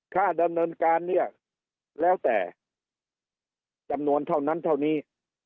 ค่าดำเนินการเนี่ยแล้วแต่จำนวนเท่านั้นเท่านี้